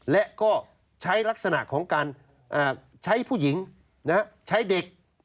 และก็ใช้ลักษณะของการใช้ผู้หญิงใช้เด็ก